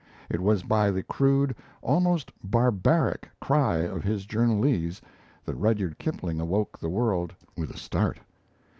It was by the crude, almost barbaric, cry of his journalese that Rudyard Kipling awoke the world with a start.